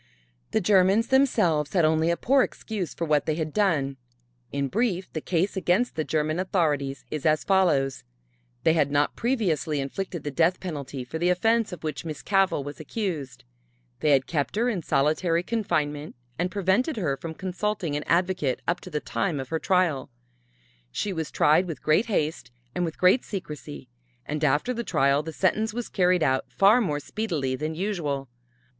The Germans themselves had only a poor excuse for what they had done. In brief the case against the German authorities is as follows: they had not previously inflicted the death penalty for the offense of which Miss Cavell was accused; they had kept her in solitary confinement and prevented her from consulting an advocate up to the time of her trial; she was tried with great haste and with great secrecy, and after the trial the sentence was carried out far more speedily than usual.